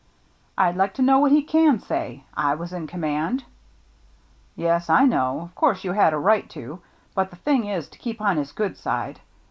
" I'd like to know what he can say. I was in command." " Yes, I know — of course you had a right to ; but the thing is to keep on his good side.